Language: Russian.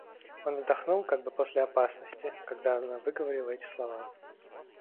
Он вздохнул как бы после опасности, когда она выговорила эти слова.